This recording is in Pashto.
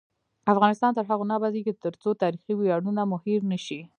افغانستان تر هغو نه ابادیږي، ترڅو تاریخي ویاړونه مو هیر نشي.